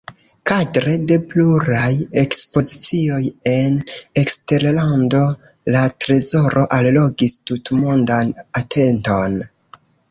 Kadre de pluraj ekspozicioj en eksterlando la trezoro allogis tutmondan atenton.